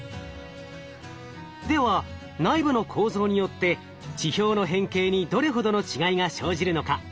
では内部の構造によって地表の変形にどれほどの違いが生じるのか